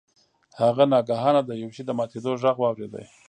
هغه ناگهانه د یو شي د ماتیدو غږ واورید.